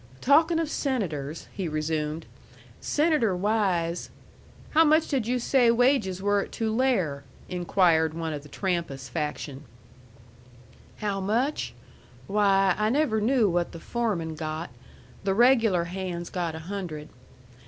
"Talkin' of senators," he resumed, "Senator Wise " "How much did you say wages were at Tulare?" inquired one of the Trampas faction. "How much? Why, I never knew what the foreman got. The regular hands got a hundred.